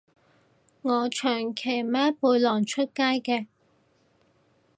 我長期孭背囊出街嘅